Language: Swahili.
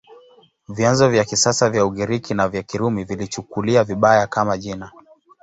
Vyanzo vya kisasa vya Ugiriki na vya Kirumi viliichukulia vibaya, kama jina.